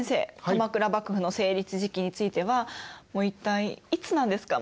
鎌倉幕府の成立時期についてはもう一体いつなんですか？